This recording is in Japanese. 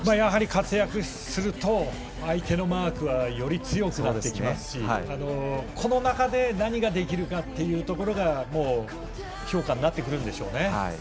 活躍すると相手のマークがより強くなってきますしこの中で、何ができるかが評価になってくるんでしょうね。